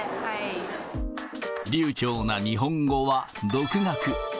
流ちょうな日本語は独学。